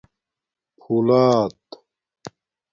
پھݸلات